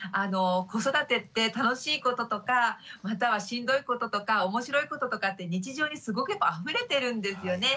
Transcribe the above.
子育てって楽しいこととかまたはしんどいこととか面白いこととかって日常にすごくあふれてるんですよね。